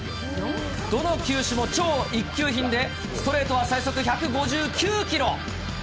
どの球種も超一級品で、ストレートは最速１５９キロ。